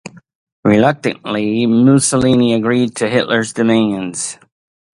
Reluctantly, Mussolini agreed to Hitler's demands.